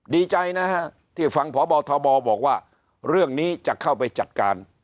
ดีใจนะฮะที่ฟังพบทบบอกว่าเรื่องนี้จะเข้าไปจัดการ